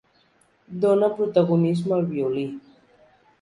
Dóna protagonisme al violí.